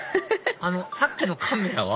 あのさっきのカメラは？